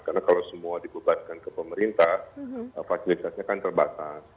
karena kalau semua dikebatkan ke pemerintah fasilitasnya kan terbatas